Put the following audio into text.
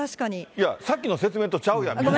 いや、さっきの説明とちゃうやん。